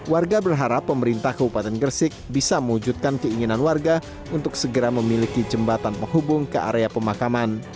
warga berharap pemerintah kabupaten gresik bisa mewujudkan keinginan warga untuk segera memiliki jembatan penghubung ke area pemakaman